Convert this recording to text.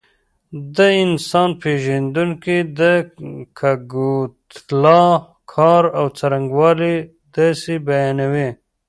د انسان پېژندونکي د کګوتلا کار او څرنګوالی داسې بیانوي.